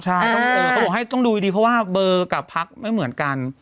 ใช่เขาบอกให้ต้องดูดีเพราะว่าเบอร์กับพักไม่เหมือนกัน